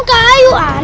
kayu itu keras